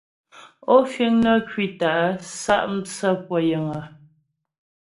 Ó fíŋ nə́ ŋkwítə́ a sá' mtsə́ pʉə́ yəŋ ?